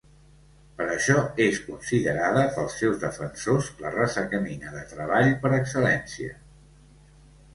Per això, és considerada pels seus defensors, la raça canina de treball per excel·lència.